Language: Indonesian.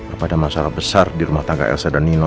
apa ada masalah besar di rumah tangga elsa dan nino